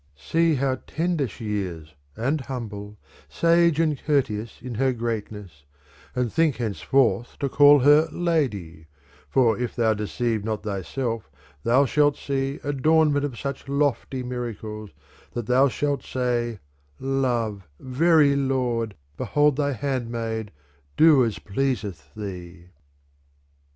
''"' 1 !'"![^ j See how tender she is and humble, $ag6 and courteous in her greatness, and think hence forth to call her lady : for, if thou deceive not thyself, thou shalt see Adornment of such lofty miracles, that thou shalt say: Love, very lord, behold thy handmaid ; do as pUaseih iA4«.'